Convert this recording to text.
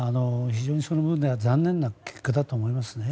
非常にその部分では残念な結果だったと思います。